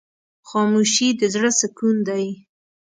خاموشي، د زړه سکون دی.